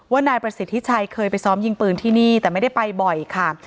นายประสิทธิชัยเคยไปซ้อมยิงปืนที่นี่แต่ไม่ได้ไปบ่อยค่ะ